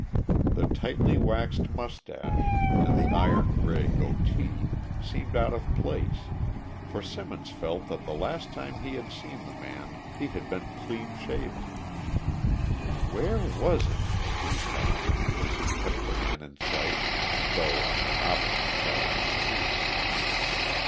The tightly waxed mustache and the iron gray goatee seemed out of place, for Simmons felt that the last time he had seen the man he had been clean shaven. "Where was it?" he thought, as he kept the man in sight, though on the opposite side of the street.